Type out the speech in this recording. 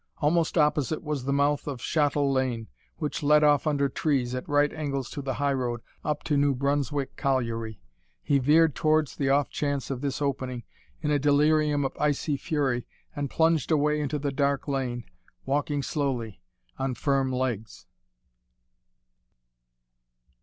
Almost opposite was the mouth of Shottle Lane, which led off under trees, at right angles to the highroad, up to New Brunswick Colliery. He veered towards the off chance of this opening, in a delirium of icy fury, and plunged away into the dark lane, walking slowly, on firm legs.